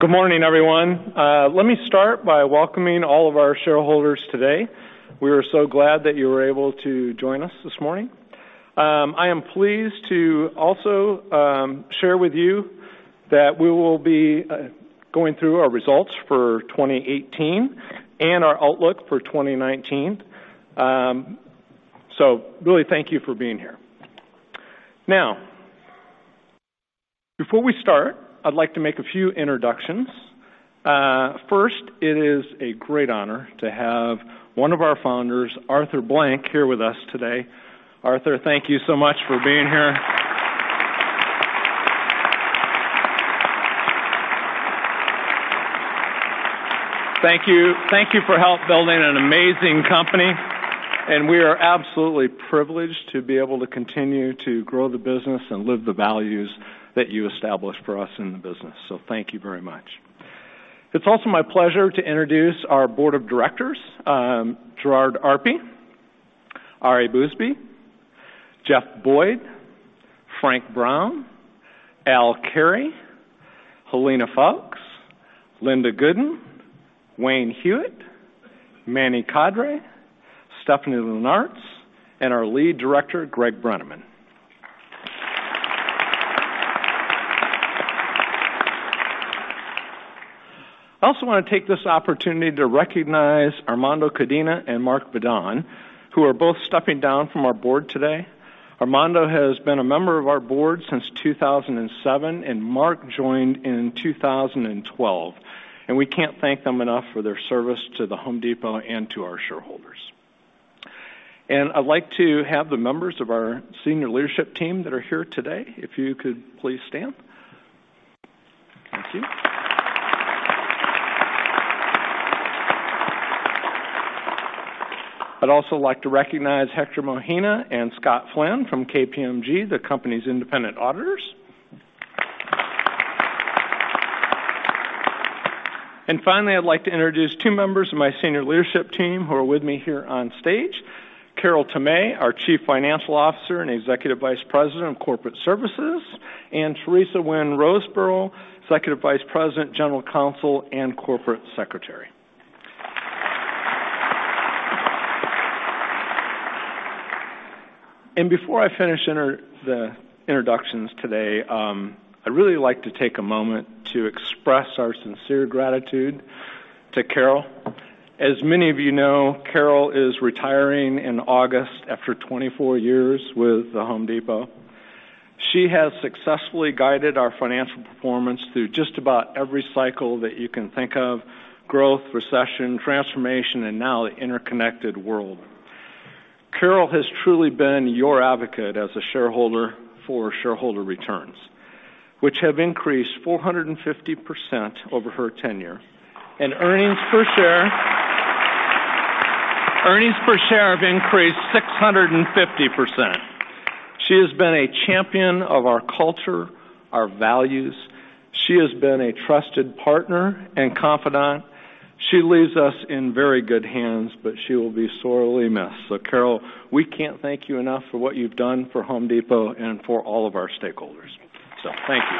Good morning, everyone. Let me start by welcoming all of our shareholders today. We are so glad that you were able to join us this morning. I am pleased to also share with you that we will be going through our results for 2018 and our outlook for 2019. Really, thank you for being here. Before we start, I'd like to make a few introductions. First, it is a great honor to have one of our founders, Arthur Blank, here with us today. Arthur, thank you so much for being here. Thank you for help building an amazing company, and we are absolutely privileged to be able to continue to grow the business and live the values that you established for us in the business. Thank you very much. It's also my pleasure to introduce our board of directors, Gerard Arpey, Ari Bousbib, Jeff Boyd, Frank Brown, Al Carey, Helena Foulkes, Linda Gooden, Wayne Hewett, Manny Kadre, Stephanie Linnartz, and our lead director, Greg Brenneman. I also want to take this opportunity to recognize Armando Codina and Mark Vadon, who are both stepping down from our board today. Armando has been a member of our board since 2007, and Mark joined in 2012. We can't thank them enough for their service to The Home Depot and to our shareholders. I'd like to have the members of our senior leadership team that are here today, if you could please stand. Thank you. I'd also like to recognize Hector Mojena and Scott Flynn from KPMG, the company's independent auditors. Finally, I'd like to introduce two members of my senior leadership team who are with me here on stage. Carol Tomé, our chief financial officer and executive vice president of corporate services, and Teresa Wynn Roseborough, executive vice president, general counsel, and corporate secretary. Before I finish the introductions today, I'd really like to take a moment to express our sincere gratitude to Carol. As many of you know, Carol is retiring in August after 24 years with The Home Depot. She has successfully guided our financial performance through just about every cycle that you can think of, growth, recession, transformation, and now the interconnected world. Carol has truly been your advocate as a shareholder for shareholder returns, which have increased 450% over her tenure. Earnings per share have increased 650%. She has been a champion of our culture, our values. She has been a trusted partner and confidant. She leaves us in very good hands, but she will be sorely missed. Carol, we can't thank you enough for what you've done for Home Depot and for all of our stakeholders. Thank you.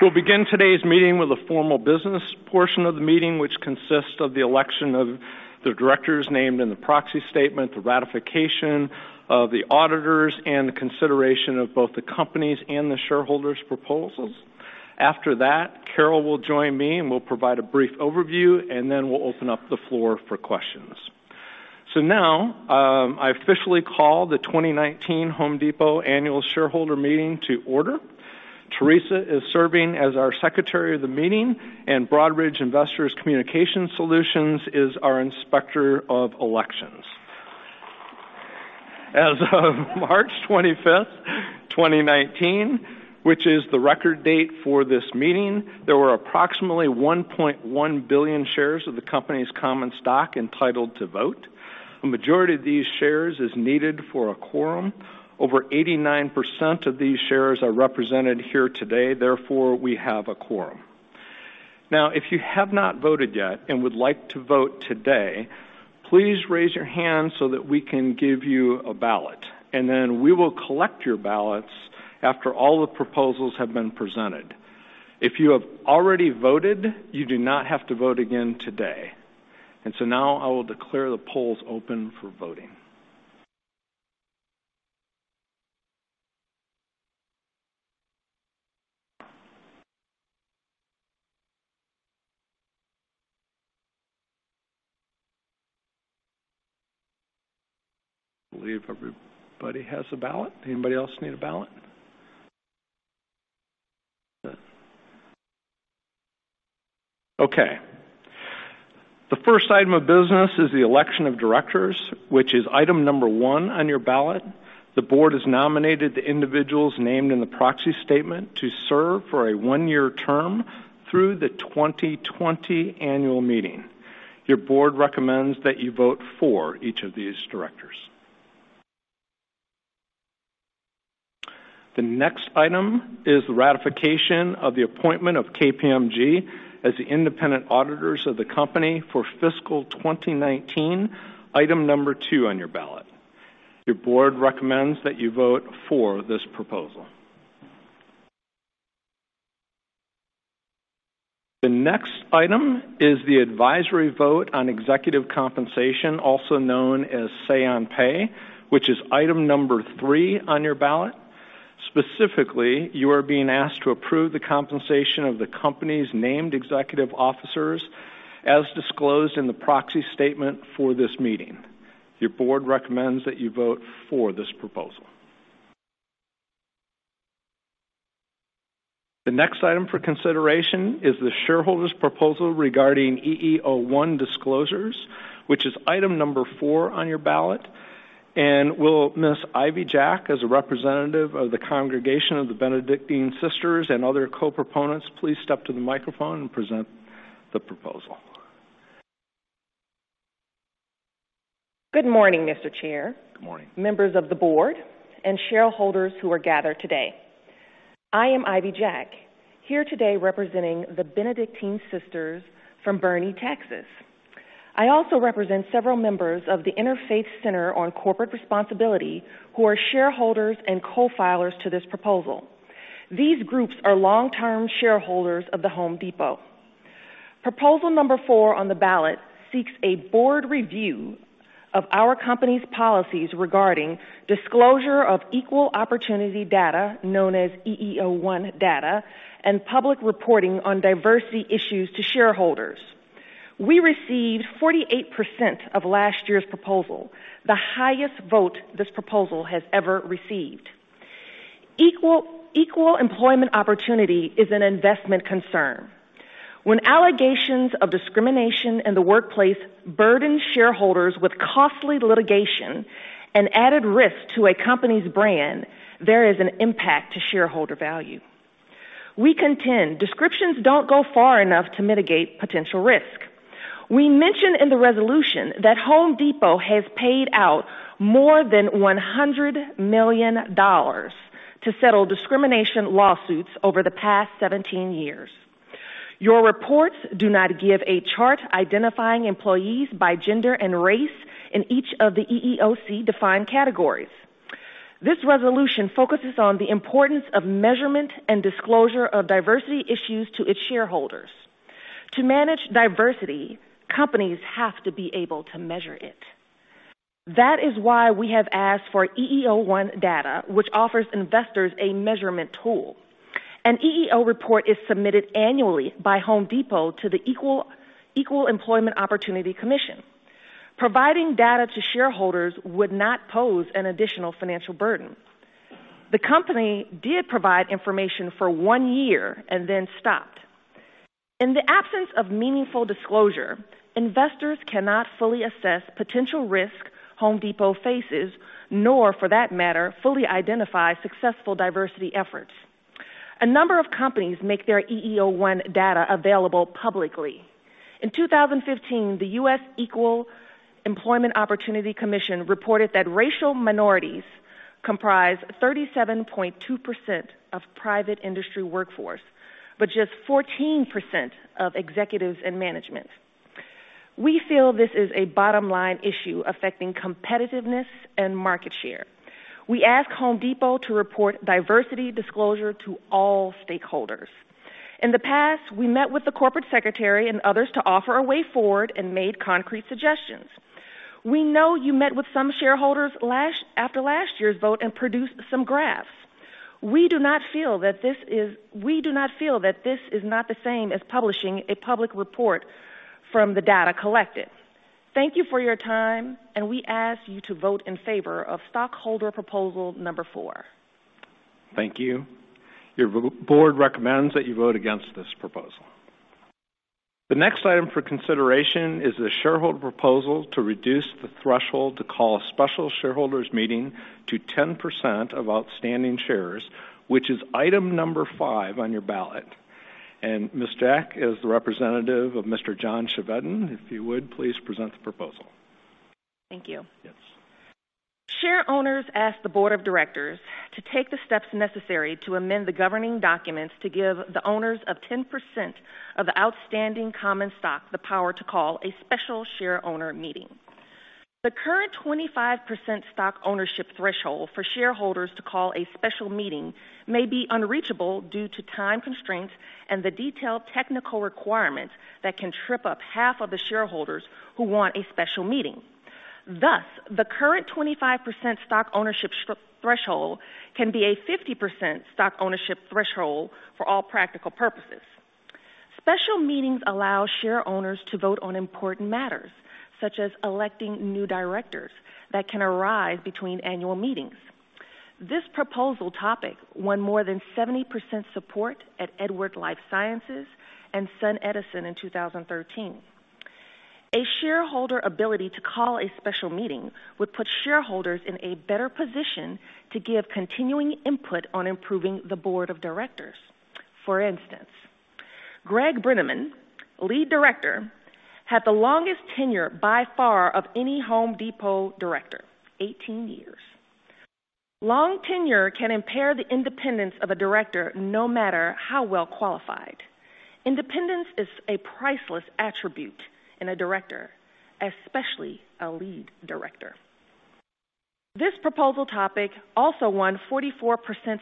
We'll begin today's meeting with the formal business portion of the meeting, which consists of the election of the directors named in the proxy statement, the ratification of the auditors, and the consideration of both the company's and the shareholders' proposals. After that, Carol will join me, and we'll provide a brief overview, and then we'll open up the floor for questions. I officially call the 2019 Home Depot Annual Shareholder Meeting to order. Teresa is serving as our secretary of the meeting, and Broadridge Investor Communication Solutions is our inspector of elections. As of March 25th, 2019, which is the record date for this meeting, there were approximately 1.1 billion shares of the company's common stock entitled to vote. A majority of these shares is needed for a quorum. Over 89% of these shares are represented here today, therefore, we have a quorum. If you have not voted yet and would like to vote today, please raise your hand so that we can give you a ballot. Then we will collect your ballots after all the proposals have been presented. If you have already voted, you do not have to vote again today. So now I will declare the polls open for voting. I believe everybody has a ballot. Anybody else need a ballot? Okay. The first item of business is the election of directors, which is item number one on your ballot. The board has nominated the individuals named in the proxy statement to serve for a one-year term through the 2020 annual meeting. Your board recommends that you vote for each of these directors. The next item is the ratification of the appointment of KPMG as the independent auditors of the company for fiscal 2019, item number two on your ballot. Your board recommends that you vote for this proposal. The next item is the advisory vote on executive compensation, also known as Say on Pay, which is item number three on your ballot. Specifically, you are being asked to approve the compensation of the company's named executive officers, as disclosed in the proxy statement for this meeting. Your board recommends that you vote for this proposal. The next item for consideration is the shareholder's proposal regarding EEO-1 disclosures, which is item number four on your ballot. Will Miss Ivy Jack, as a representative of the Congregation of the Benedictine Sisters and other co-proponents, please step to the microphone and present the proposal. Good morning, Mr. Chair. Good morning. Members of the board, shareholders who are gathered today. I am Ivy Jack, here today representing the Benedictine Sisters from Boerne, Texas. I also represent several members of the Interfaith Center on Corporate Responsibility, who are shareholders and co-filers to this proposal. These groups are long-term shareholders of The Home Depot. Proposal number four on the ballot seeks a board review of our company's policies regarding disclosure of Equal Opportunity data, known as EEO-1 data, and public reporting on diversity issues to shareholders. We received 48% of last year's proposal, the highest vote this proposal has ever received. Equal employment opportunity is an investment concern. When allegations of discrimination in the workplace burden shareholders with costly litigation and added risk to a company's brand, there is an impact to shareholder value. We contend descriptions don't go far enough to mitigate potential risk. We mention in the resolution that The Home Depot has paid out more than $100 million to settle discrimination lawsuits over the past 17 years. Your reports do not give a chart identifying employees by gender and race in each of the EEOC-defined categories. This resolution focuses on the importance of measurement and disclosure of diversity issues to its shareholders. To manage diversity, companies have to be able to measure it. That is why we have asked for EEO-1 data, which offers investors a measurement tool. An EEO report is submitted annually by The Home Depot to the Equal Employment Opportunity Commission. Providing data to shareholders would not pose an additional financial burden. The company did provide information for one year and then stopped. In the absence of meaningful disclosure, investors cannot fully assess potential risk The Home Depot faces, nor, for that matter, fully identify successful diversity efforts. A number of companies make their EEO-1 data available publicly. In 2015, the U.S. Equal Employment Opportunity Commission reported that racial minorities comprise 37.2% of private industry workforce, but just 14% of executives and management. We feel this is a bottom-line issue affecting competitiveness and market share. We ask The Home Depot to report diversity disclosure to all stakeholders. In the past, we met with the corporate secretary and others to offer a way forward and made concrete suggestions. We know you met with some shareholders after last year's vote and produced some graphs. We do not feel that this is not the same as publishing a public report from the data collected. Thank you for your time, we ask you to vote in favor of stockholder proposal number four. Thank you. Your board recommends that you vote against this proposal. The next item for consideration is the shareholder proposal to reduce the threshold to call a special shareholders meeting to 10% of outstanding shares, which is item number five on your ballot. Ms. Jack, as the representative of Mr. John Chevedden, if you would please present the proposal. Thank you. Yes. Share owners ask the board of directors to take the steps necessary to amend the governing documents to give the owners of 10% of the outstanding common stock the power to call a special share owner meeting. The current 25% stock ownership threshold for shareholders to call a special meeting may be unreachable due to time constraints and the detailed technical requirements that can trip up half of the shareholders who want a special meeting. Thus, the current 25% stock ownership threshold can be a 50% stock ownership threshold for all practical purposes. Special meetings allow share owners to vote on important matters, such as electing new directors, that can arise between annual meetings. This proposal topic won more than 70% support at Edwards Lifesciences and SunEdison in 2013. A shareholder ability to call a special meeting would put shareholders in a better position to give continuing input on improving the board of directors. For instance, Greg Brenneman, Lead Director, had the longest tenure by far of any Home Depot director, 18 years. Long tenure can impair the independence of a director, no matter how well qualified. Independence is a priceless attribute in a director, especially a Lead Director. This proposal topic also won 44%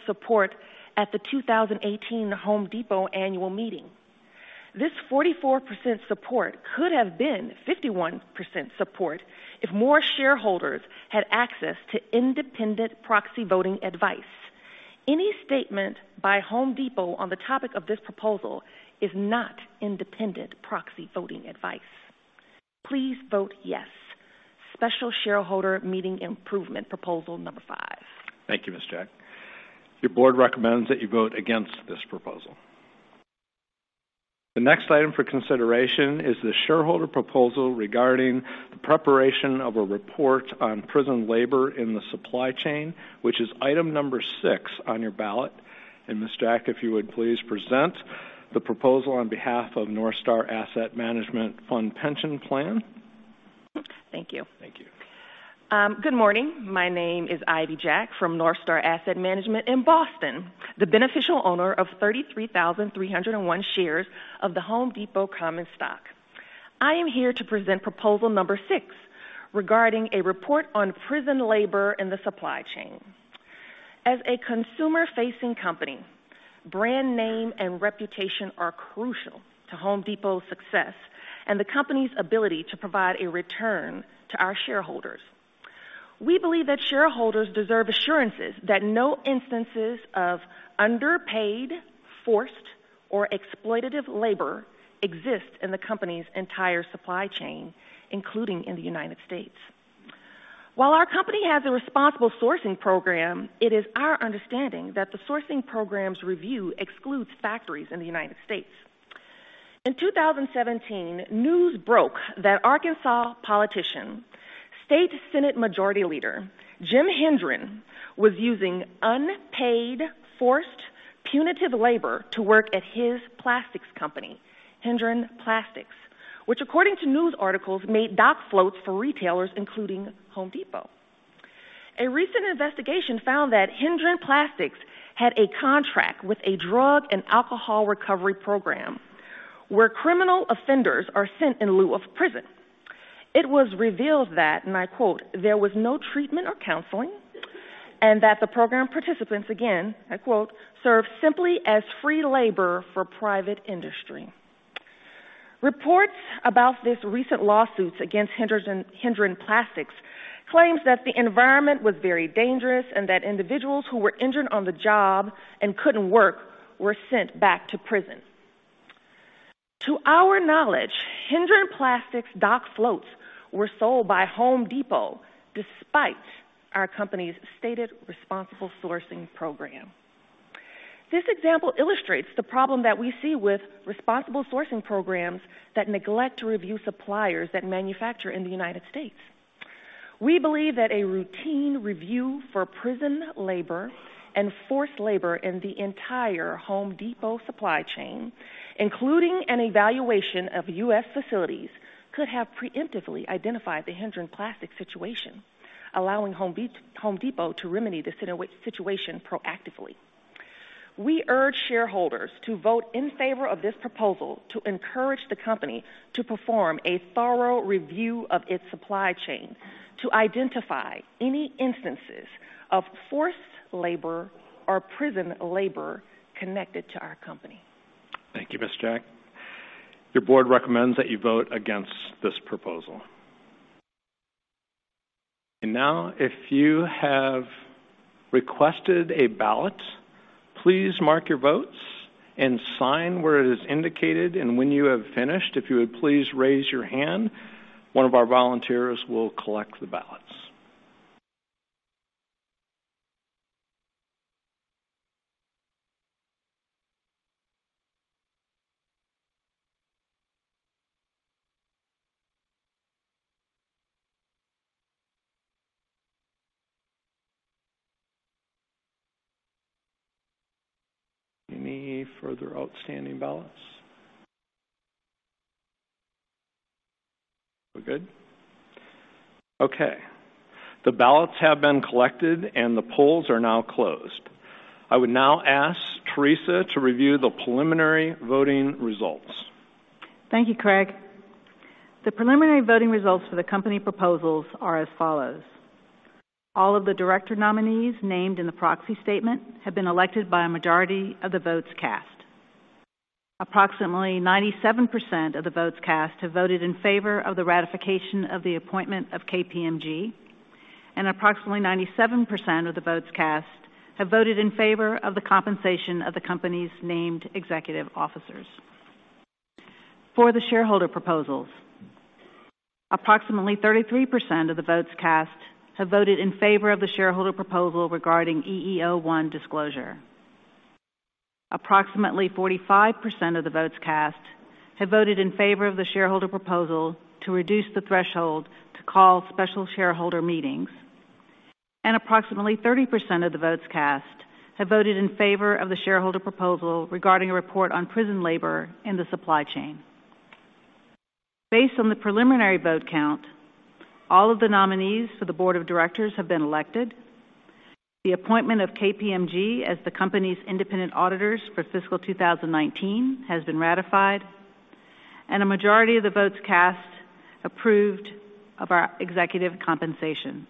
support at the 2018 Home Depot annual meeting. This 44% support could have been 51% support if more shareholders had access to independent proxy voting advice. Any statement by Home Depot on the topic of this proposal is not independent proxy voting advice. Please vote yes, special shareholder meeting improvement proposal number five. Thank you, Ms. Jack. Your board recommends that you vote against this proposal. The next item for consideration is the shareholder proposal regarding the preparation of a report on prison labor in the supply chain, which is item number six on your ballot. Ms. Jack, if you would please present the proposal on behalf of NorthStar Asset Management Fund Pension Plan. Thank you. Thank you. Good morning. My name is Ivy Jack from NorthStar Asset Management in Boston, the beneficial owner of 33,301 shares of The Home Depot common stock. I am here to present proposal number six regarding a report on prison labor in the supply chain. As a consumer-facing company, brand name and reputation are crucial to The Home Depot's success and the company's ability to provide a return to our shareholders. We believe that shareholders deserve assurances that no instances of underpaid, forced, or exploitative labor exist in the company's entire supply chain, including in the United States. While our company has a responsible sourcing program, it is our understanding that the sourcing program's review excludes factories in the United States. In 2017, news broke that Arkansas politician, State Senate Majority Leader Jim Hendren, was using unpaid, forced punitive labor to work at his plastics company, Hendren Plastics, which according to news articles, made dock floats for retailers, including The Home Depot. A recent investigation found that Hendren Plastics had a contract with a drug and alcohol recovery program where criminal offenders are sent in lieu of prison. It was revealed that, and I quote, "There was no treatment or counseling," and that the program participants, again, I quote, "Serve simply as free labor for private industry." Reports about this recent lawsuits against Hendren Plastics claims that the environment was very dangerous and that individuals who were injured on the job and couldn't work were sent back to prison. To our knowledge, Hendren Plastics dock floats were sold by The Home Depot despite our company's stated responsible sourcing program. This example illustrates the problem that we see with responsible sourcing programs that neglect to review suppliers that manufacture in the U.S. We believe that a routine review for prison labor and forced labor in the entire Home Depot supply chain, including an evaluation of U.S. facilities, could have preemptively identified the Hendren Plastics situation, allowing Home Depot to remedy the situation proactively. We urge shareholders to vote in favor of this proposal to encourage the company to perform a thorough review of its supply chain to identify any instances of forced labor or prison labor connected to our company. Thank you, Ms. Jack. Your board recommends that you vote against this proposal. Now, if you have requested a ballot, please mark your votes and sign where it is indicated. When you have finished, if you would please raise your hand, one of our volunteers will collect the ballots. Any further outstanding ballots? We're good? Okay. The ballots have been collected, and the polls are now closed. I would now ask Teresa to review the preliminary voting results. Thank you, Craig. The preliminary voting results for the company proposals are as follows. All of the director nominees named in the proxy statement have been elected by a majority of the votes cast. Approximately 97% of the votes cast have voted in favor of the ratification of the appointment of KPMG, and approximately 97% of the votes cast have voted in favor of the compensation of the company's named executive officers. For the shareholder proposals, approximately 33% of the votes cast have voted in favor of the shareholder proposal regarding EEO-1 disclosure. Approximately 45% of the votes cast have voted in favor of the shareholder proposal to reduce the threshold to call special shareholder meetings. Approximately 30% of the votes cast have voted in favor of the shareholder proposal regarding a report on prison labor in the supply chain. Based on the preliminary vote count, all of the nominees for the board of directors have been elected. The appointment of KPMG as the company's independent auditors for fiscal 2019 has been ratified, and a majority of the votes cast approved of our executive compensation.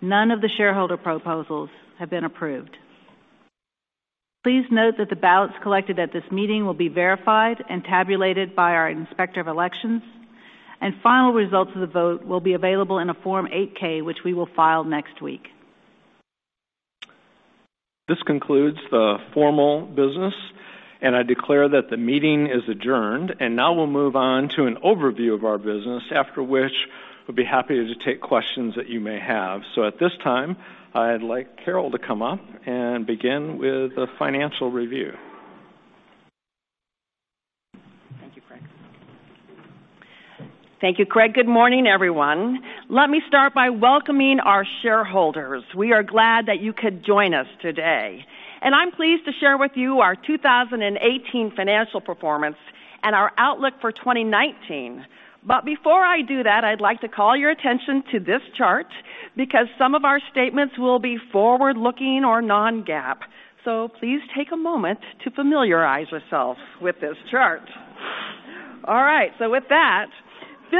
None of the shareholder proposals have been approved. Please note that the ballots collected at this meeting will be verified and tabulated by our Inspector of Elections, and final results of the vote will be available in a Form 8-K, which we will file next week. This concludes the formal business, I declare that the meeting is adjourned. Now we'll move on to an overview of our business, after which we'll be happy to take questions that you may have. At this time, I'd like Carol to come up and begin with the financial review. Thank you, Craig. Good morning, everyone. Let me start by welcoming our shareholders. We are glad that you could join us today. I'm pleased to share with you our 2018 financial performance and our outlook for 2019. Before I do that, I'd like to call your attention to this chart because some of our statements will be forward-looking or non-GAAP. Please take a moment to familiarize yourself with this chart. All right. With that,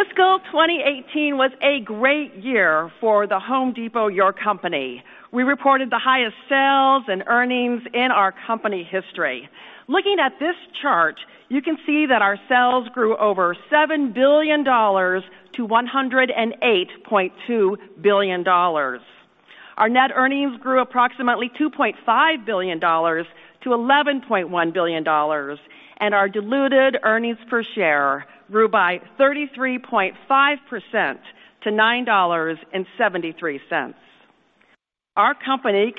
fiscal 2018 was a great year for The Home Depot, your company. We reported the highest sales and earnings in our company history. Looking at this chart, you can see that our sales grew over $7 billion to $108.2 billion. Our net earnings grew approximately $2.5 billion to $11.1 billion, and our diluted earnings per share grew by 33.5% to $9.73. Thank you. Our company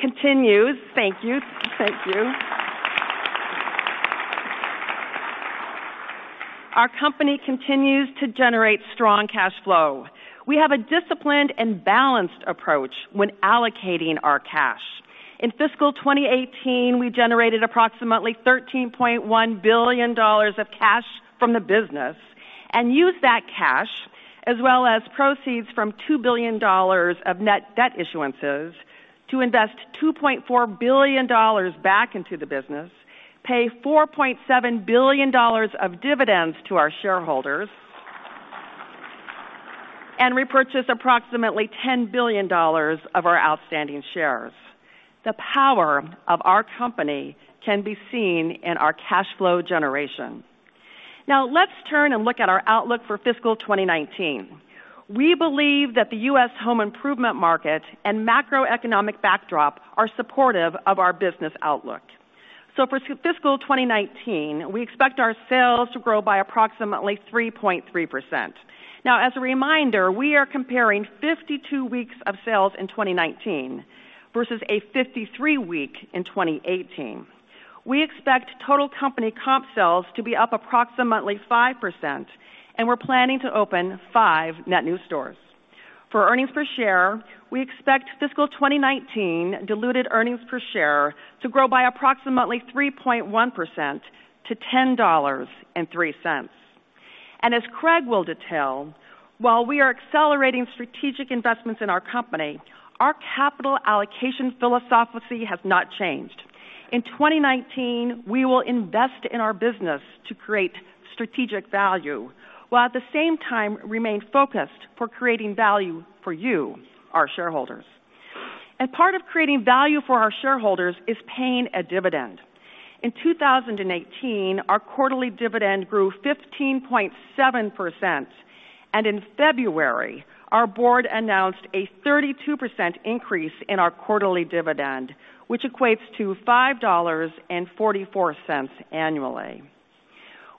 continues to generate strong cash flow. We have a disciplined and balanced approach when allocating our cash. In fiscal 2018, we generated approximately $13.1 billion of cash from the business and used that cash, as well as proceeds from $2 billion of net debt issuances to invest $2.4 billion back into the business, pay $4.7 billion of dividends to our shareholders and repurchase approximately $10 billion of our outstanding shares. The power of our company can be seen in our cash flow generation. Let's turn and look at our outlook for fiscal 2019. We believe that the U.S. home improvement market and macroeconomic backdrop are supportive of our business outlook. For fiscal 2019, we expect our sales to grow by approximately 3.3%. As a reminder, we are comparing 52 weeks of sales in 2019 versus a 53 week in 2018. We expect total company comp sales to be up approximately 5%, and we're planning to open five net new stores. For earnings per share, we expect fiscal 2019 diluted earnings per share to grow by approximately 3.1% to $10.03. As Craig will detail, while we are accelerating strategic investments in our company, our capital allocation philosophy has not changed. In 2019, we will invest in our business to create strategic value, while at the same time remain focused for creating value for you, our shareholders. Part of creating value for our shareholders is paying a dividend. In 2018, our quarterly dividend grew 15.7%, and in February, our board announced a 32% increase in our quarterly dividend, which equates to $5.44 annually.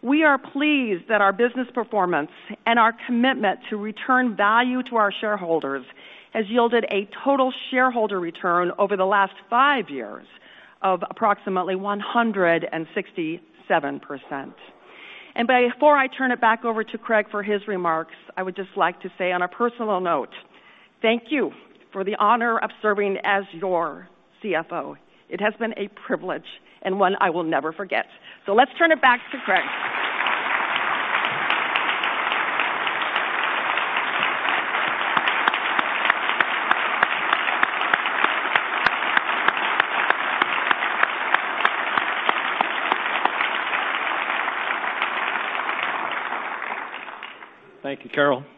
We are pleased that our business performance and our commitment to return value to our shareholders has yielded a total shareholder return over the last five years of approximately 167%. Before I turn it back over to Craig for his remarks, I would just like to say on a personal note, thank you for the honor of serving as your CFO. It has been a privilege and one I will never forget. Let's turn it back to Craig. Thank you, Carol Tomé.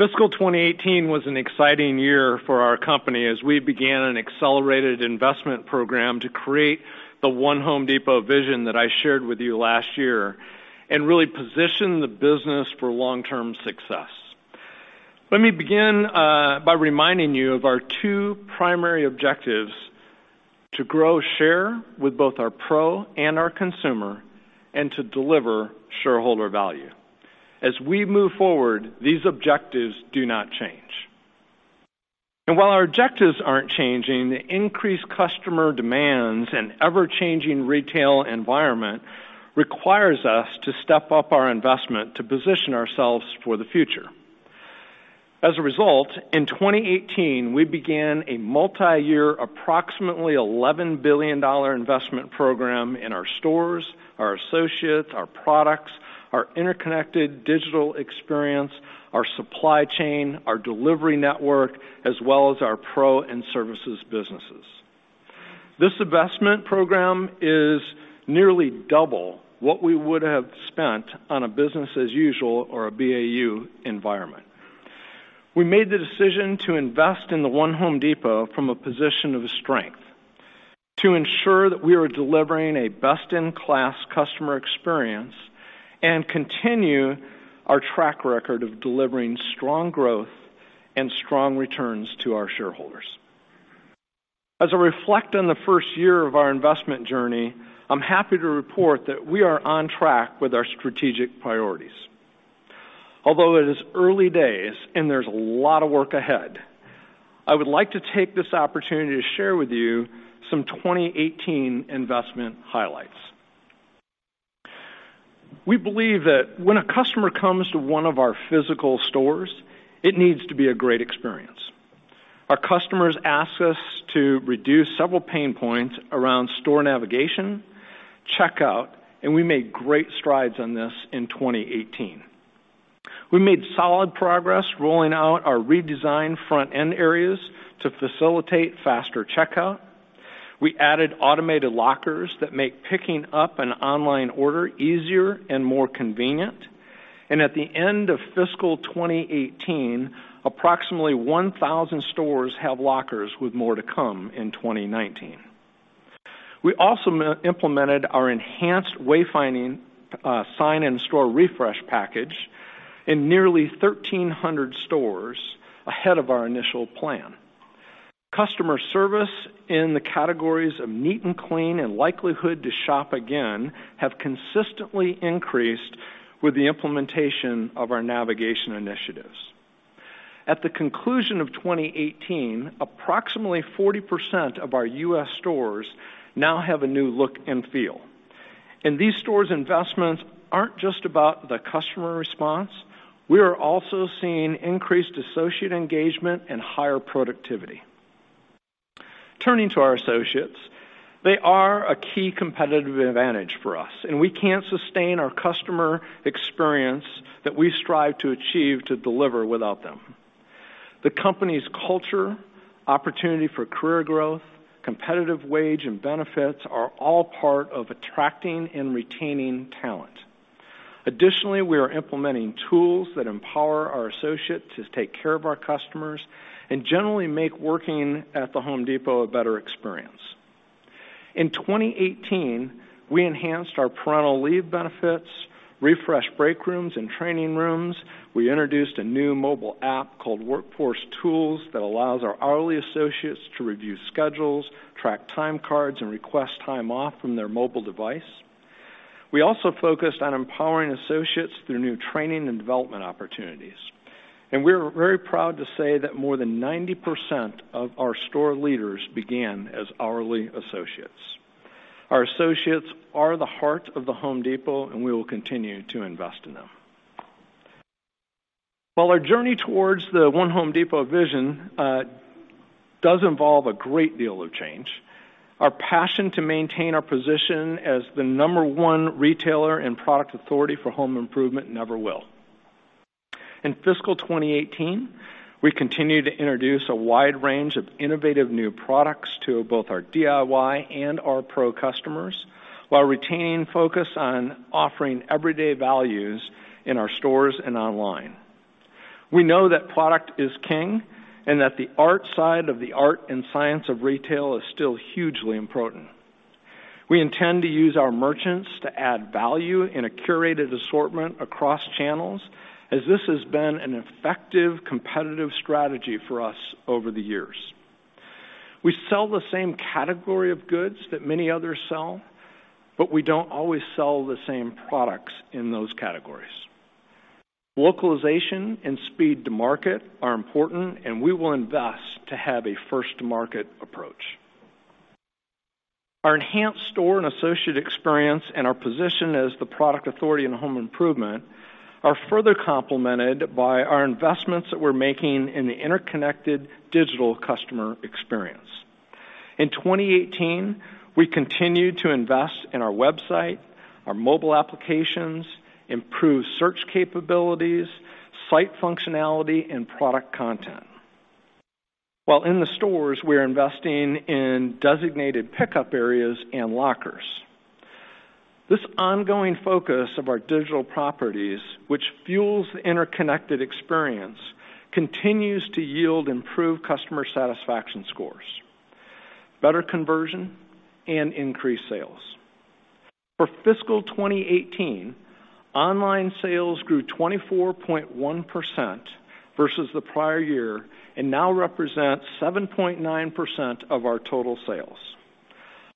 Fiscal 2018 was an exciting year for our company as we began an accelerated investment program to create the One Home Depot vision that I shared with you last year and really position the business for long-term success. Let me begin by reminding you of our two primary objectives, to grow share with both our pro and our consumer, and to deliver shareholder value. As we move forward, these objectives do not change. While our objectives aren't changing, the increased customer demands and ever-changing retail environment requires us to step up our investment to position ourselves for the future. As a result, in 2018, we began a multi-year, approximately $11 billion investment program in our stores, our associates, our products, our interconnected digital experience, our supply chain, our delivery network, as well as our pro and services businesses. This investment program is nearly double what we would have spent on a business as usual or a BAU environment. We made the decision to invest in the One Home Depot from a position of strength to ensure that we are delivering a best-in-class customer experience and continue our track record of delivering strong growth and strong returns to our shareholders. As I reflect on the first year of our investment journey, I'm happy to report that we are on track with our strategic priorities. Although it is early days and there's a lot of work ahead, I would like to take this opportunity to share with you some 2018 investment highlights. We believe that when a customer comes to one of our physical stores, it needs to be a great experience. Our customers ask us to reduce several pain points around store navigation, checkout. We made great strides on this in 2018. We made solid progress rolling out our redesigned front-end areas to facilitate faster checkout. We added automated lockers that make picking up an online order easier and more convenient. At the end of fiscal 2018, approximately 1,000 stores have lockers, with more to come in 2019. We also implemented our enhanced wayfinding sign and store refresh package in nearly 1,300 stores ahead of our initial plan. Customer service in the categories of neat and clean and likelihood to shop again have consistently increased with the implementation of our navigation initiatives. At the conclusion of 2018, approximately 40% of our U.S. stores now have a new look and feel. These stores' investments aren't just about the customer response. We are also seeing increased associate engagement and higher productivity. Turning to our associates, they are a key competitive advantage for us, and we can't sustain our customer experience that we strive to achieve to deliver without them. The company's culture, opportunity for career growth, competitive wage, and benefits are all part of attracting and retaining talent. Additionally, we are implementing tools that empower our associates to take care of our customers and generally make working at The Home Depot a better experience. In 2018, we enhanced our parental leave benefits, refreshed break rooms and training rooms. We introduced a new mobile app called Workforce Tools that allows our hourly associates to review schedules, track timecards, and request time off from their mobile device. We also focused on empowering associates through new training and development opportunities. We're very proud to say that more than 90% of our store leaders began as hourly associates. Our associates are the heart of The Home Depot, and we will continue to invest in them. While our journey towards the One Home Depot vision does involve a great deal of change, our passion to maintain our position as the number one retailer and product authority for home improvement never will. In fiscal 2018, we continued to introduce a wide range of innovative new products to both our DIY and our pro customers while retaining focus on offering everyday values in our stores and online. We know that product is king and that the art side of the art and science of retail is still hugely important. We intend to use our merchants to add value in a curated assortment across channels as this has been an effective competitive strategy for us over the years. We sell the same category of goods that many others sell, but we don't always sell the same products in those categories. Localization and speed to market are important, and we will invest to have a first-to-market approach. Our enhanced store and associate experience and our position as the product authority in home improvement are further complemented by our investments that we're making in the interconnected digital customer experience. In 2018, we continued to invest in our website, our mobile applications, improve search capabilities, site functionality, and product content. While in the stores, we're investing in designated pickup areas and lockers. This ongoing focus of our digital properties, which fuels the interconnected experience, continues to yield improved customer satisfaction scores, better conversion, and increased sales. For fiscal 2018, online sales grew 24.1% versus the prior year and now represent 7.9% of our total sales.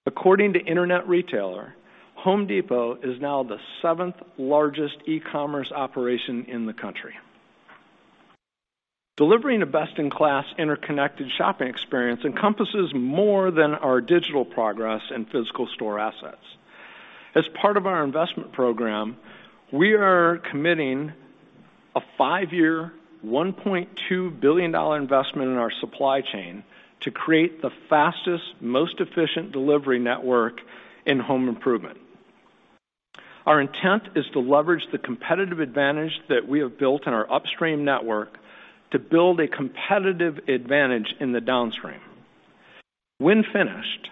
According to Internet Retailer, The Home Depot is now the seventh-largest e-commerce operation in the country. Delivering a best-in-class interconnected shopping experience encompasses more than our digital progress and physical store assets. As part of our investment program, we are committing a five-year, $1.2 billion investment in our supply chain to create the fastest, most efficient delivery network in home improvement. Our intent is to leverage the competitive advantage that we have built in our upstream network to build a competitive advantage in the downstream. When finished,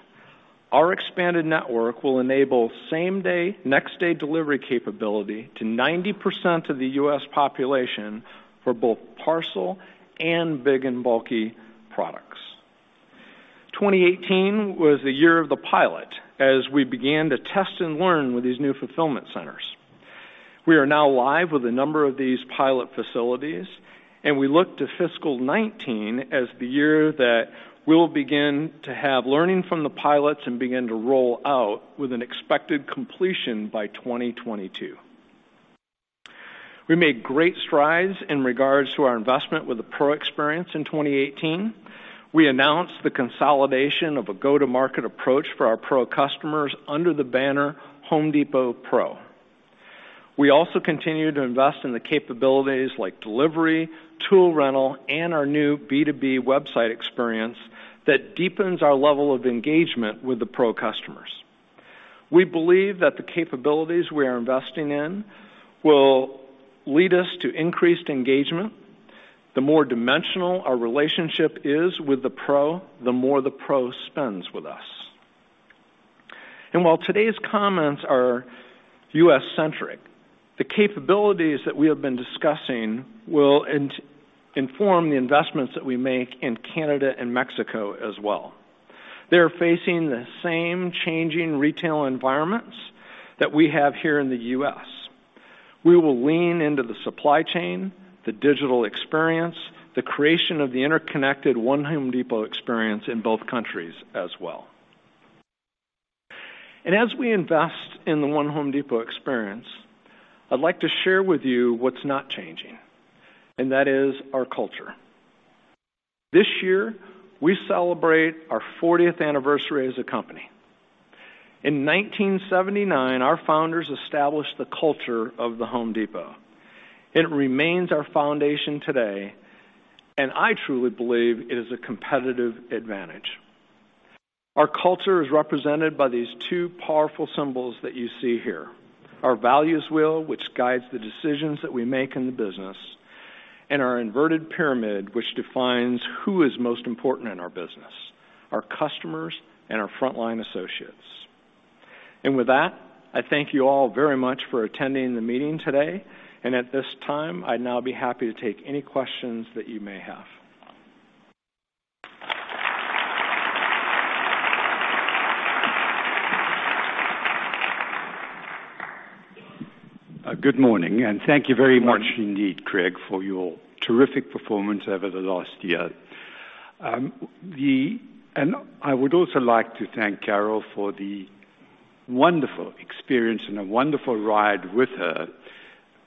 our expanded network will enable same-day, next-day delivery capability to 90% of the U.S. population for both parcel and big and bulky products. 2018 was the year of the pilot, as we began to test and learn with these new fulfillment centers. We are now live with a number of these pilot facilities, and we look to fiscal 2019 as the year that we'll begin to have learning from the pilots and begin to roll out with an expected completion by 2022. We made great strides in regards to our investment with the pro experience in 2018. We announced the consolidation of a go-to-market approach for our pro customers under the banner Home Depot Pro. We also continue to invest in the capabilities like delivery, tool rental, and our new B2B website experience that deepens our level of engagement with the pro customers. We believe that the capabilities we are investing in will lead us to increased engagement. The more dimensional our relationship is with the pro, the more the pro spends with us. While today's comments are U.S.-centric, the capabilities that we have been discussing will inform the investments that we make in Canada and Mexico as well. They're facing the same changing retail environments that we have here in the U.S. We will lean into the supply chain, the digital experience, the creation of the interconnected One Home Depot experience in both countries as well. As we invest in the One Home Depot experience, I'd like to share with you what's not changing, and that is our culture. This year, we celebrate our 40th anniversary as a company. In 1979, our founders established the culture of The Home Depot. It remains our foundation today, and I truly believe it is a competitive advantage. Our culture is represented by these two powerful symbols that you see here, our values wheel, which guides the decisions that we make in the business, and our inverted pyramid, which defines who is most important in our business, our customers, and our frontline associates. With that, I thank you all very much for attending the meeting today. At this time, I'd now be happy to take any questions that you may have. Good morning, and thank you very much indeed, Craig, for your terrific performance over the last year. I would also like to thank Carol Tomé for the wonderful experience and a wonderful ride with her.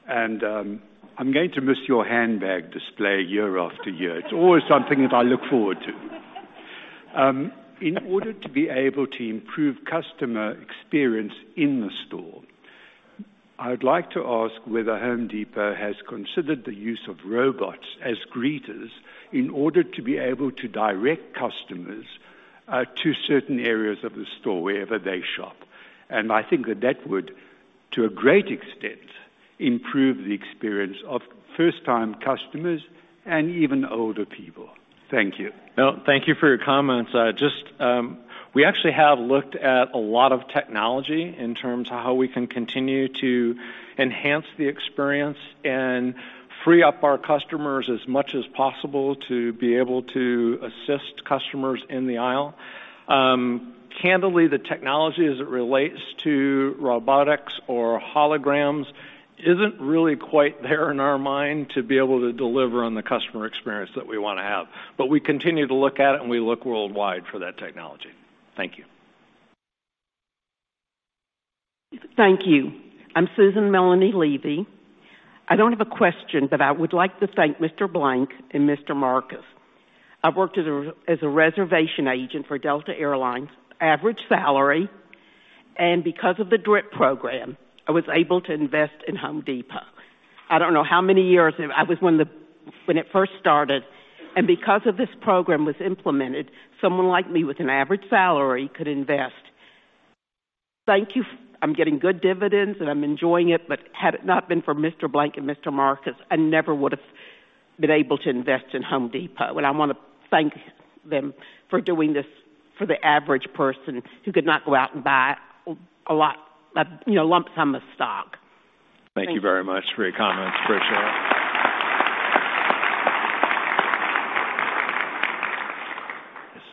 I'm going to miss your handbag display year after year. It's always something that I look forward to. In order to be able to improve customer experience in the store, I would like to ask whether Home Depot has considered the use of robots as greeters in order to be able to direct customers to certain areas of the store, wherever they shop. I think that that would, to a great extent, improve the experience of first-time customers and even older people. Thank you. No, thank you for your comments. We actually have looked at a lot of technology in terms of how we can continue to enhance the experience and free up our customers as much as possible to be able to assist customers in the aisle. Candidly, the technology as it relates to robotics or holograms isn't really quite there in our mind to be able to deliver on the customer experience that we wanna have. We continue to look at it, and we look worldwide for that technology. Thank you. Thank you. I'm Susan Melanie Levy. I don't have a question, but I would like to thank Mr. Blank and Mr. Marcus. I've worked as a reservation agent for Delta Air Lines, average salary. Because of the DRIP program, I was able to invest in The Home Depot. I don't know how many years. I was when it first started. Because of this program was implemented, someone like me with an average salary could invest. Thank you. I'm getting good dividends, and I'm enjoying it. Had it not been for Mr. Blank and Mr. Marcus, I never would've been able to invest in The Home Depot. I want to thank them for doing this for the average person who could not go out and buy a lump sum of stock. Thank you. Thank you very much for your comments. Appreciate it. Yes,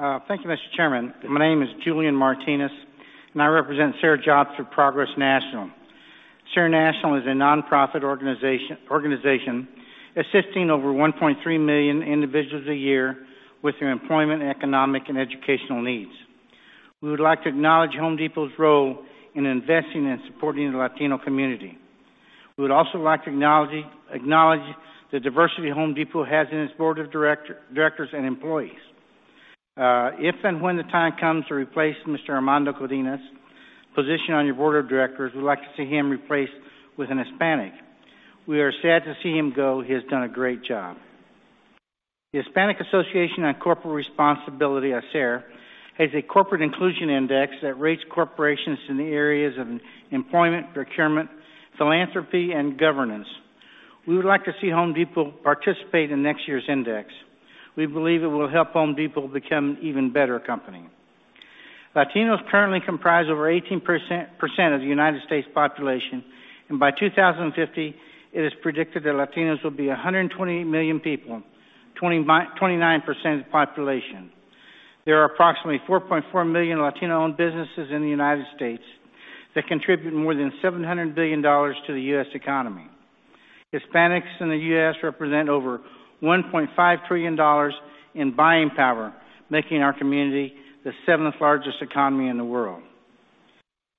sir. Thank you, Mr. Chairman. My name is Julian Martinez. I represent SER Jobs for Progress National. SER National is a nonprofit organization assisting over 1.3 million individuals a year with their employment, economic, and educational needs. We would like to acknowledge The Home Depot's role in investing and supporting the Latino community. We would also like to acknowledge the diversity The Home Depot has in its board of directors and employees. If and when the time comes to replace Mr. Armando Codina's position on your board of directors, we'd like to see him replaced with a Hispanic. We are sad to see him go. He has done a great job. The Hispanic Association on Corporate Responsibility, HACR, has a corporate inclusion index that rates corporations in the areas of employment, procurement, philanthropy, and governance. We would like to see The Home Depot participate in next year's index. We believe it will help The Home Depot become an even better company. Latinos currently comprise over 18% of the United States population, and by 2050, it is predicted that Latinos will be 120 million people, 29% of the population. There are approximately 4.4 million Latino-owned businesses in the United States that contribute more than $700 billion to the U.S. economy. Hispanics in the U.S. represent over $1.5 trillion in buying power, making our community the seventh largest economy in the world.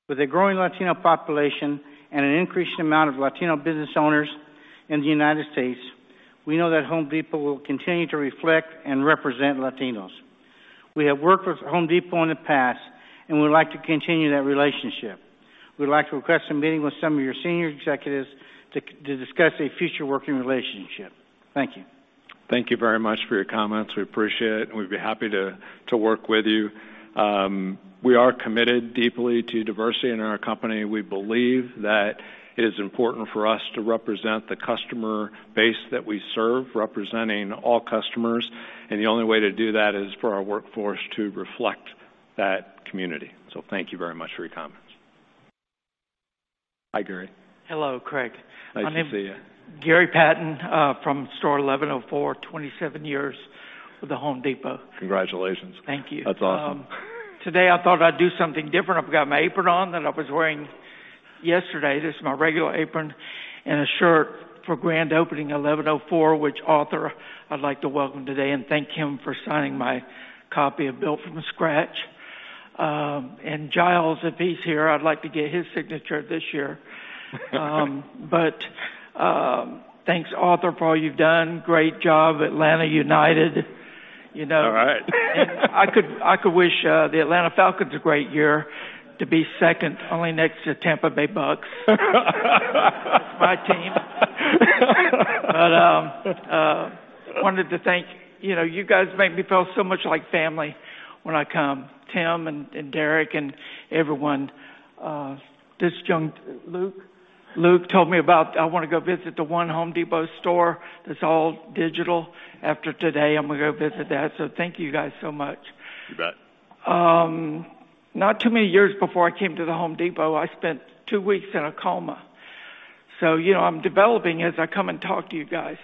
With a growing Latino population and an increasing amount of Latino business owners in the United States, we know that The Home Depot will continue to reflect and represent Latinos. We have worked with The Home Depot in the past and would like to continue that relationship. We'd like to request a meeting with some of your senior executives to discuss a future working relationship. Thank you. Thank you very much for your comments. We appreciate it, and we'd be happy to work with you. We are committed deeply to diversity in our company. We believe that it is important for us to represent the customer base that we serve, representing all customers, and the only way to do that is for our workforce to reflect that community. Thank you very much for your comments. Hi, Gary. Hello, Craig. Nice to see you. Gary Patton, from store 1104. 27 years with The Home Depot. Congratulations. Thank you. That's awesome. Today, I thought I'd do something different. I've got my apron on that I was wearing yesterday. This is my regular apron, and a shirt for grand opening 1104, which Arthur, I'd like to welcome today and thank him for signing my copy of "Built from Scratch." Giles, if he's here, I'd like to get his signature this year. Thanks, Arthur, for all you've done. Great job, Atlanta United. All right. I could wish the Atlanta Falcons a great year to be second only next to Tampa Bay Buccaneers. That's my team. Wanted to thank you guys, make me feel so much like family when I come. Tim and Derek and everyone. This junk, Luke told me about, I want to go visit the One Home Depot store that's all digital after today. I'm going to go visit that, thank you guys so much. You bet. Not too many years before I came to The Home Depot, I spent two weeks in a coma, I'm developing as I come and talk to you guys.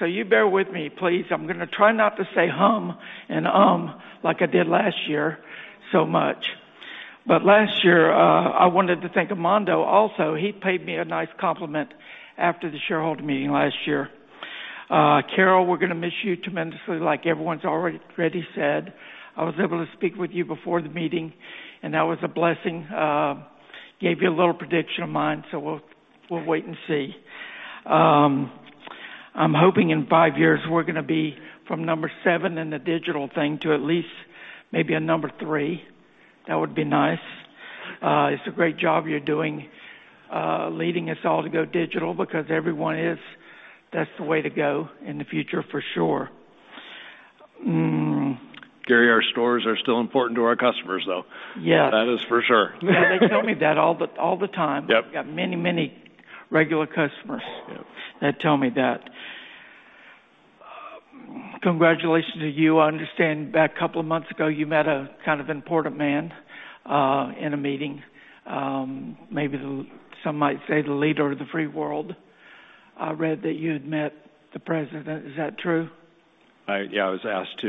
You bear with me, please. I'm going to try not to say "hum" and "um" like I did last year so much. Last year, I wanted to thank Armando also. He paid me a nice compliment after the shareholder meeting last year. Carol, we're going to miss you tremendously, like everyone's already said. I was able to speak with you before the meeting, and that was a blessing. Gave you a little prediction of mine, we'll wait and see. I'm hoping in five years we're going to be from number 7 in the digital thing to at least maybe a number 3. That would be nice. It's a great job you're doing leading us all to go digital because everyone is. That's the way to go in the future, for sure. Gary, our stores are still important to our customers, though. Yes. That is for sure. Yeah, they tell me that all the time. Yep. Got many regular customers. Yep That tell me that. Congratulations to you. I understand back a couple of months ago, you met a kind of important man in a meeting. Maybe some might say the leader of the free world. I read that you had met the President. Is that true? I was asked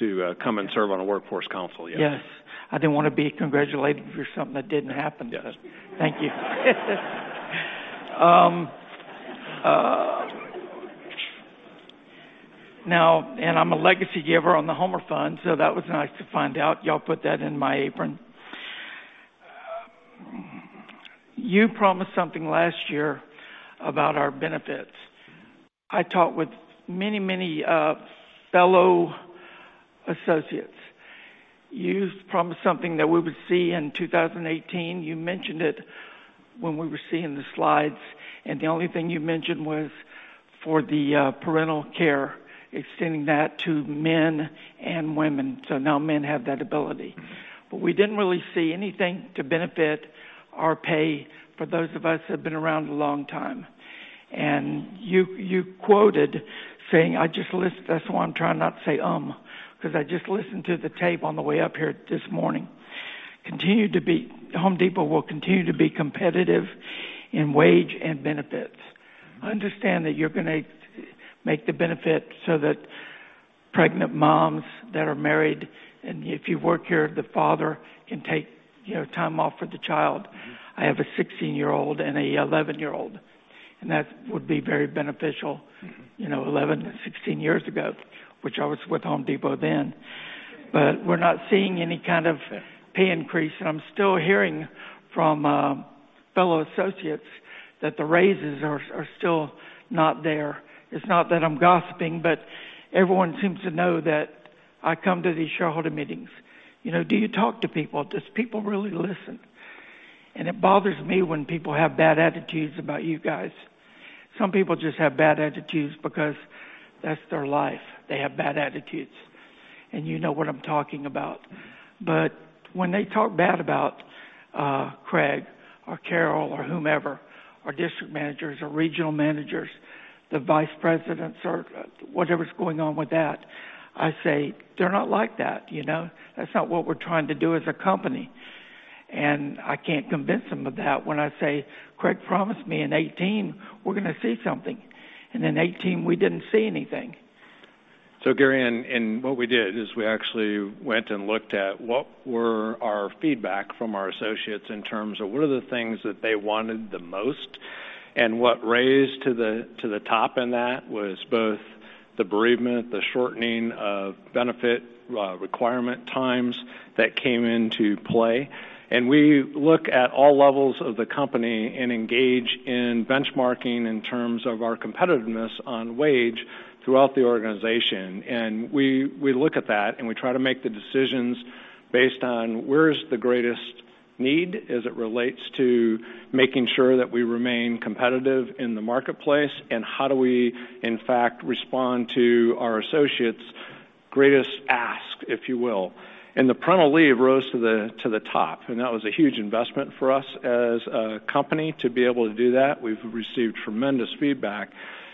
to come and serve on a workforce council, yes. Yes. I didn't want to be congratulated for something that didn't happen. Yes. Thank you. I'm a legacy giver on The Homer Fund, so that was nice to find out. You all put that in my apron. You promised something last year about our benefits. I talked with many fellow associates. You promised something that we would see in 2018. You mentioned it when we were seeing the slides. The only thing you mentioned was for the parental care, extending that to men and women, so now men have that ability. We didn't really see anything to benefit our pay for those of us who have been around a long time. You quoted saying, that's why I'm trying not to say, because I just listened to the tape on the way up here this morning. Home Depot will continue to be competitive in wage and benefits. I understand that you're going to make the benefit so that pregnant moms that are married, if you work here, the father can take time off for the child. I have a 16-year-old and an 11-year-old. That would be very beneficial 11 to 16 years ago, which I was with Home Depot then. We're not seeing any kind of pay increase. I'm still hearing from fellow associates that the raises are still not there. It's not that I'm gossiping, everyone seems to know that I come to these shareholder meetings. Do you talk to people? Does people really listen? It bothers me when people have bad attitudes about you guys. Some people just have bad attitudes because that's their life. They have bad attitudes. You know what I'm talking about. When they talk bad about Craig or Carol or whomever, our district managers, our regional managers, the vice presidents, or whatever's going on with that, I say, "They're not like that. That's not what we're trying to do as a company." I can't convince them of that when I say, "Craig promised me in 2018 we're going to see something." In 2018 we didn't see anything. Gary, what we did is we actually went and looked at what were our feedback from our associates in terms of what are the things that they wanted the most, and what raised to the top in that was both the bereavement, the shortening of benefit requirement times that came into play. We look at all levels of the company and engage in benchmarking in terms of our competitiveness on wage throughout the organization. We look at that, we try to make the decisions based on where is the greatest need as it relates to making sure that we remain competitive in the marketplace, and how do we in fact respond to our associates' greatest ask, if you will. The parental leave rose to the top. That was a huge investment for us as a company to be able to do that. We've received tremendous feedback.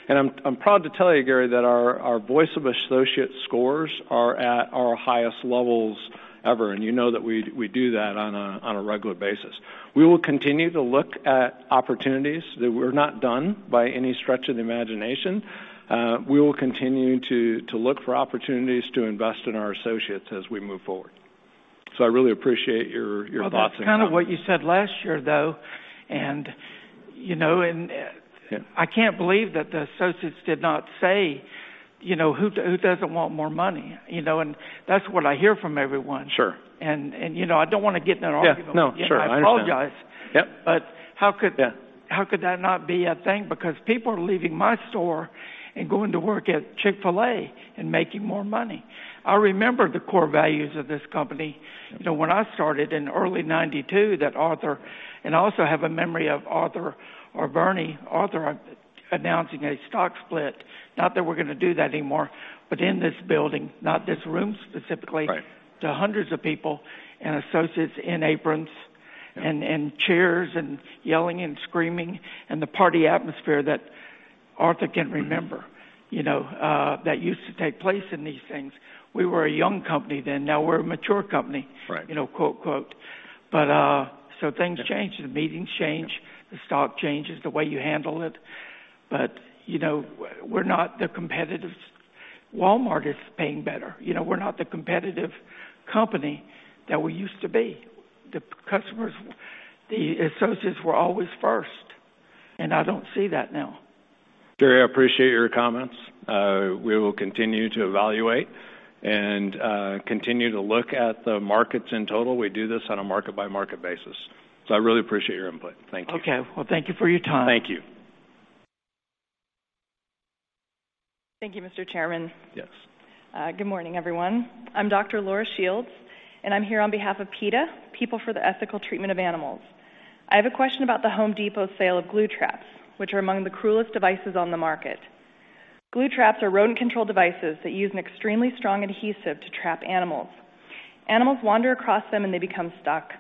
I'm proud to tell you, Gary, that our Voice of Associate scores are at our highest levels ever. You know that we do that on a regular basis. We will continue to look at opportunities, that we're not done by any stretch of the imagination. We will continue to look for opportunities to invest in our associates as we move forward. I really appreciate your thoughts and comments. Well, that's kind of what you said last year, though. Yeah I can't believe that the associates did not say, who doesn't want more money? That's what I hear from everyone. Sure. I don't want to get in that argument with you. Yeah, no. Sure. I understand. I apologize. Yep. How could that not be a thing? Because people are leaving my store and going to work at Chick-fil-A and making more money. I remember the core values of this company when I started in early 1992, that Arthur, and I also have a memory of Arthur or Bernie, Arthur announcing a stock split, not that we're going to do that anymore, but in this building, not this room specifically. Right To hundreds of people and associates in aprons and chairs and yelling and screaming, and the party atmosphere that Arthur can remember that used to take place in these things. We were a young company then. Now we're a mature company. Right. Quote, quote. Things change. The meetings change, the stock changes the way you handle it. We're not the competitive Walmart is paying better. We're not the competitive company that we used to be. The customers, the associates were always first, and I don't see that now. Gary, I appreciate your comments. We will continue to evaluate and continue to look at the markets in total. We do this on a market-by-market basis. I really appreciate your input. Thank you. Okay. Well, thank you for your time. Thank you. Thank you, Mr. Chairman. Yes. Good morning, everyone. I'm Dr. Laura Shields, and I'm here on behalf of PETA, People for the Ethical Treatment of Animals. I have a question about the Home Depot sale of glue traps, which are among the cruelest devices on the market. Glue traps are rodent control devices that use an extremely strong adhesive to trap animals. Animals wander across them, and they become stuck.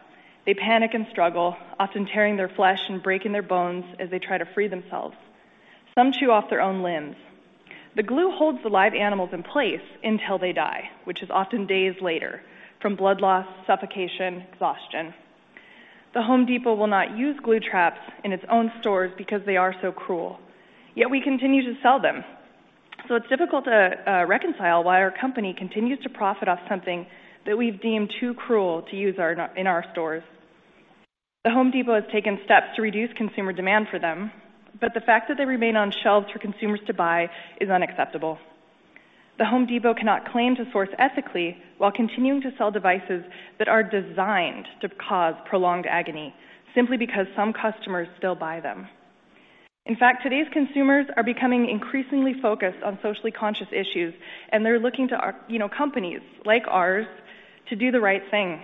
They panic and struggle, often tearing their flesh and breaking their bones as they try to free themselves. Some chew off their own limbs. The glue holds the live animals in place until they die, which is often days later from blood loss, suffocation, exhaustion. The Home Depot will not use glue traps in its own stores because they are so cruel, yet we continue to sell them. It's difficult to reconcile why our company continues to profit off something that we've deemed too cruel to use in our stores. The Home Depot has taken steps to reduce consumer demand for them, but the fact that they remain on shelves for consumers to buy is unacceptable. The Home Depot cannot claim to source ethically while continuing to sell devices that are designed to cause prolonged agony simply because some customers still buy them. In fact, today's consumers are becoming increasingly focused on socially conscious issues, and they're looking to companies like ours to do the right thing.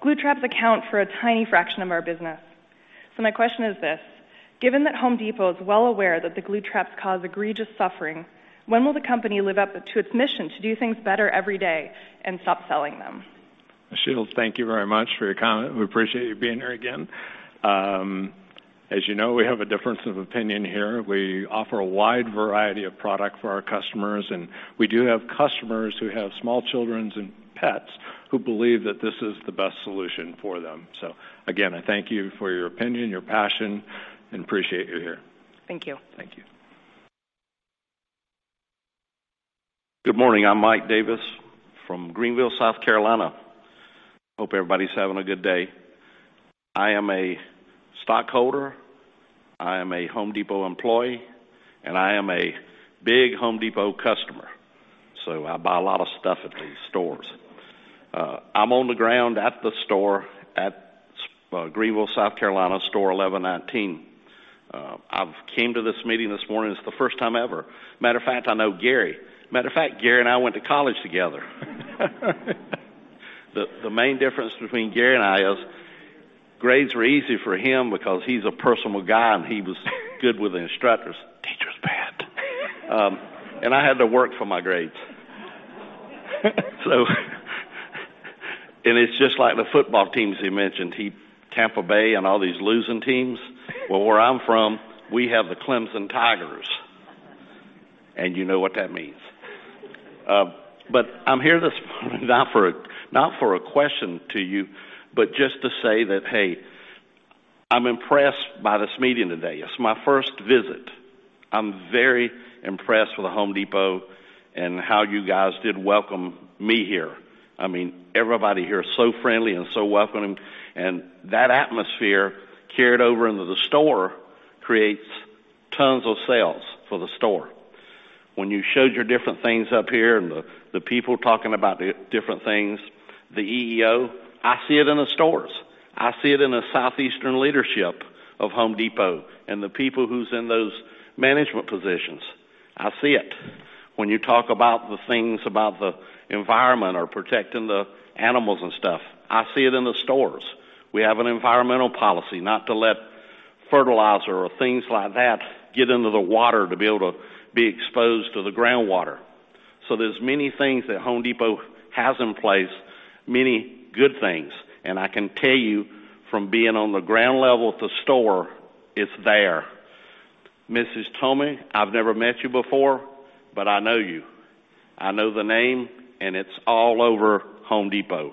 Glue traps account for a tiny fraction of our business. My question is this: given that Home Depot is well aware that the glue traps cause egregious suffering, when will the company live up to its mission to do things better every day and stop selling them? Ms. Shields, thank you very much for your comment. We appreciate you being here again. As you know, we have a difference of opinion here. We offer a wide variety of product for our customers, and we do have customers who have small children and pets who believe that this is the best solution for them. Again, I thank you for your opinion, your passion, and appreciate you here. Thank you. Thank you. Good morning. I'm Mike Davis from Greenville, South Carolina. Hope everybody's having a good day. I am a stockholder, I am a Home Depot employee, and I am a big Home Depot customer. I buy a lot of stuff at these stores. I'm on the ground at the store at Greenville, South Carolina, store 1119. I've came to this meeting this morning. It's the first time ever. Matter of fact, I know Gary. Matter of fact, Gary and I went to college together. The main difference between Gary and I is grades were easy for him because he's a personal guy, and he was good with the instructors. Teachers' pet. I had to work for my grades. It's just like the football teams he mentioned, Tampa Bay and all these losing teams. Well, where I'm from, we have the Clemson Tigers. You know what that means. I'm here this morning not for a question to you, just to say that, hey, I'm impressed by this meeting today. It's my first visit. I'm very impressed with The Home Depot and how you guys did welcome me here. Everybody here is so friendly and so welcoming, and that atmosphere carried over into the store creates tons of sales for the store. When you showed your different things up here and the people talking about the different things, the EEO, I see it in the stores. I see it in the southeastern leadership of The Home Depot and the people who's in those management positions. I see it. When you talk about the things about the environment or protecting the animals and stuff, I see it in the stores. We have an environmental policy not to let fertilizer or things like that get into the water to be able to be exposed to the groundwater. There's many things that The Home Depot has in place, many good things. I can tell you from being on the ground level at the store, it's there. Mrs. Tomé, I've never met you before, I know you. I know the name, and it's all over The Home Depot.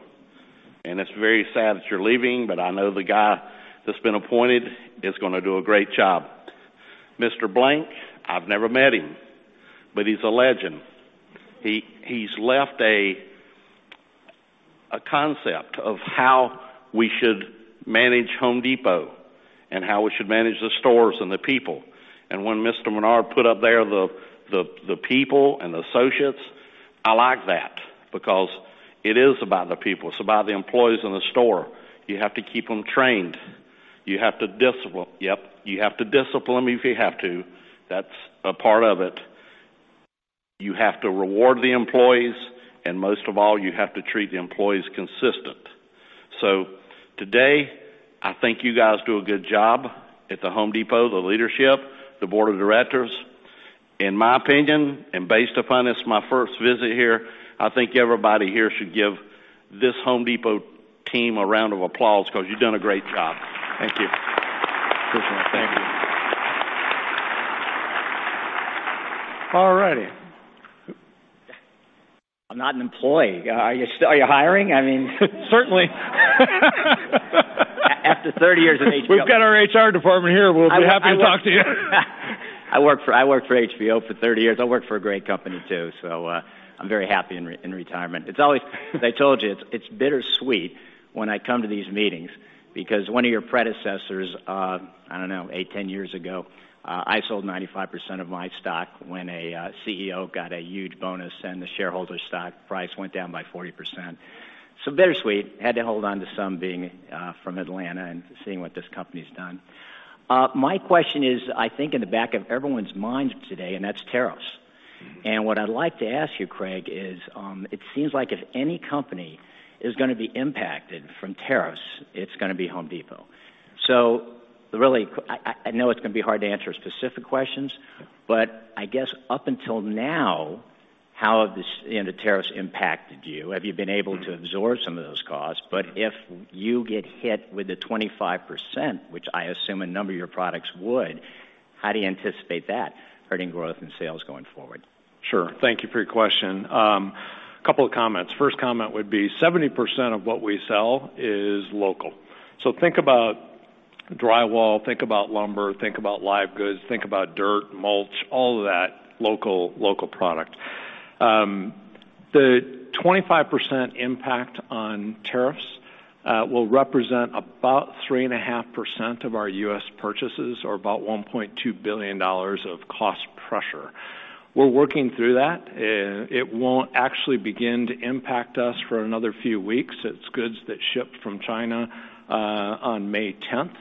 It's very sad that you're leaving, I know the guy that's been appointed is going to do a great job. Mr. Blank, I've never met him, he's a legend. He's left a concept of how we should manage The Home Depot and how we should manage the stores and the people. When Mr. Menear put up there the people and the associates, I like that because it is about the people. It's about the employees in the store. You have to keep them trained. You have to discipline. Yep, you have to discipline them if you have to. That's a part of it. You have to reward the employees, and most of all, you have to treat the employees consistent. Today, I think you guys do a good job at The Home Depot, the leadership, the board of directors. In my opinion, based upon this, my first visit here, I think everybody here should give this The Home Depot team a round of applause because you've done a great job. Thank you. Appreciate it. Thank you. All righty. I'm not an employee. Are you hiring? Certainly. After 30 years of HBO. We've got our HR department here. We'll be happy to talk to you. I worked for HBO for 30 years. I worked for a great company, too, so I'm very happy in retirement. As I told you, it's bittersweet when I come to these meetings because one of your predecessors, I don't know, 8, 10 years ago, I sold 95% of my stock when a CEO got a huge bonus and the shareholder stock price went down by 40%. Bittersweet. Had to hold onto some, being from Atlanta and seeing what this company's done. My question is, I think in the back of everyone's minds today, that's tariffs. What I'd like to ask you, Craig, is it seems like if any company is going to be impacted from tariffs, it's going to be The Home Depot. Really, I know it's going to be hard to answer specific questions, but I guess up until now, how have the tariffs impacted you? Have you been able to absorb some of those costs? If you get hit with the 25%, which I assume a number of your products would, how do you anticipate that hurting growth and sales going forward? Sure. Thank you for your question. Couple of comments. First comment would be 70% of what we sell is local. Think about drywall, think about lumber, think about live goods, think about dirt, mulch, all of that local product. The 25% impact on tariffs will represent about 3.5% of our U.S. purchases, or about $1.2 billion of cost pressure. We're working through that. It won't actually begin to impact us for another few weeks. It's goods that shipped from China on May 10th.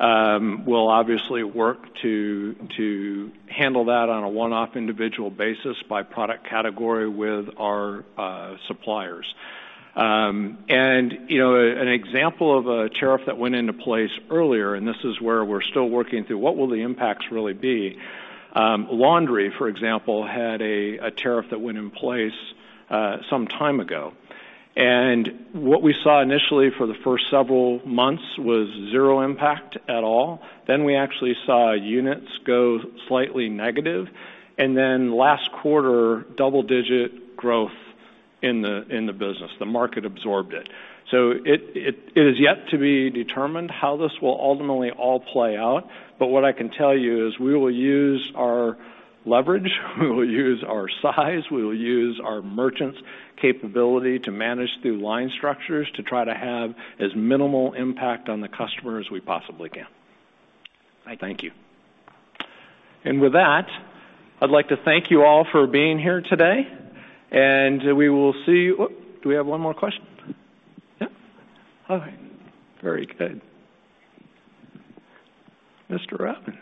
We'll obviously work to handle that on a one-off individual basis by product category with our suppliers. An example of a tariff that went into place earlier, this is where we're still working through what will the impacts really be. Laundry, for example, had a tariff that went in place some time ago. What we saw initially for the first several months was zero impact at all. We actually saw units go slightly negative. Last quarter, double-digit growth in the business. The market absorbed it. It is yet to be determined how this will ultimately all play out. What I can tell you is we will use our leverage, we will use our size, we will use our merchants' capability to manage through line structures to try to have as minimal impact on the customer as we possibly can. Thank you. Thank you. With that, I'd like to thank you all for being here today, and we will see Do we have one more question? Yeah. Okay. Very good. Mr. Evans.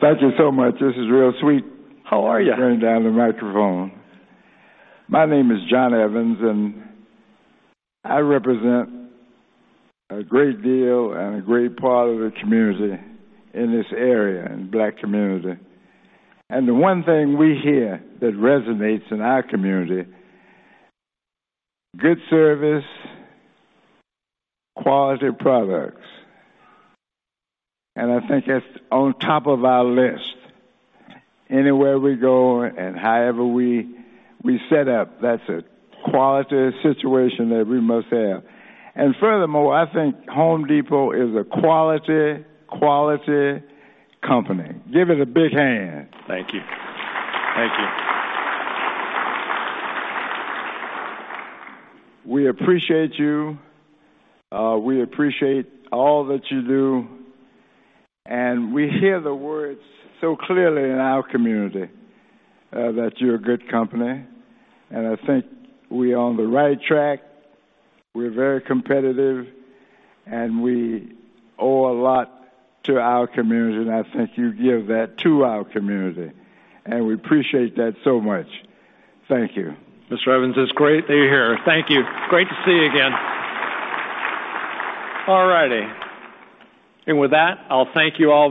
Thank you so much. This is real sweet. How are you? Bringing down the microphone. My name is John Evans. I represent a great deal and a great part of the community in this area, in the Black community. The one thing we hear that resonates in our community, good service, quality products, and I think that's on top of our list. Anywhere we go and however we set up, that's a quality situation that we must have. Furthermore, I think Home Depot is a quality company. Give it a big hand. Thank you. We appreciate you. We appreciate all that you do, and we hear the words so clearly in our community that you're a good company. I think we're on the right track. We're very competitive, and we owe a lot to our community, and I think you give that to our community. We appreciate that so much. Thank you. Mr. Evans, it's great that you're here. Thank you. Great to see you again. All righty. With that, I'll thank you all